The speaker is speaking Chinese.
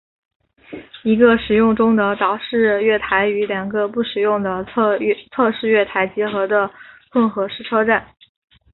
一个使用中的岛式月台与两个不使用的侧式月台结合的混合式车站。